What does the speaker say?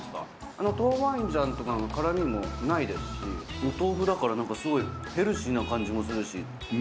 あの豆板醤とかの辛みもないですしお豆腐だからすごいヘルシーな感じもするし。